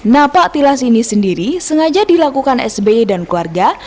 napaktilas ini sendiri sengaja dilakukan sby dan keluarga